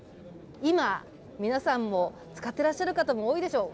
今、皆さんも使ってらっしゃる方も多いでしょう。